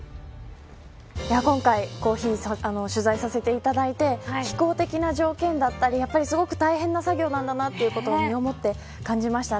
今回コーヒー取材させていただいて気候的な条件だったりすごく大変な作業なんだなということが身をもって感じました。